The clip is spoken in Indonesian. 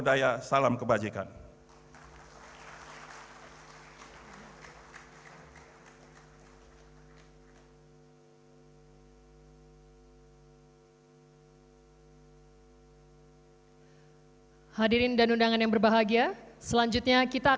dan semoga berjaya